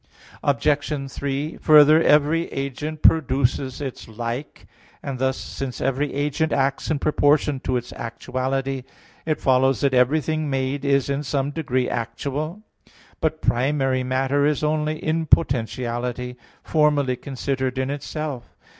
Obj. 3: Further, every agent produces its like, and thus, since every agent acts in proportion to its actuality, it follows that everything made is in some degree actual. But primary matter is only in potentiality, formally considered in itself.